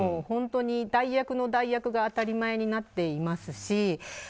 本当に代役の代役が当たり前になっていますし。